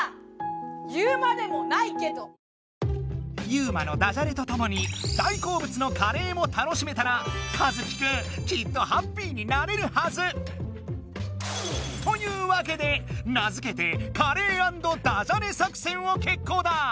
ユウマのダジャレとともに大こうぶつのカレーも楽しめたら一樹くんきっとハッピーになれるはず！というわけで名づけてを決行だ！